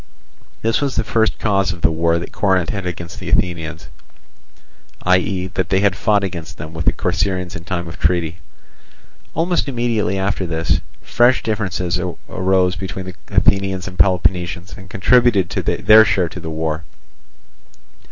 This was the first cause of the war that Corinth had against the Athenians, viz., that they had fought against them with the Corcyraeans in time of treaty. Almost immediately after this, fresh differences arose between the Athenians and Peloponnesians, and contributed their share to the war.